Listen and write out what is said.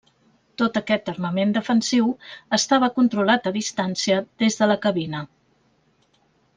Tot aquest armament defensiu estava controlat a distància des de la cabina.